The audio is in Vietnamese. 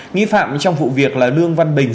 nghĩ phạm trong vụ việc là lương văn bình